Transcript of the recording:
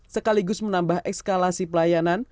sekaligus menambah ekskalasi pelayanan